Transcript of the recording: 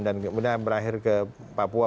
dan kemudian berakhir ke papua